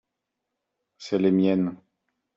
c'est les miennes.